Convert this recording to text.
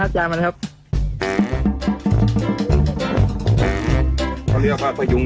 สกิดยิ้ม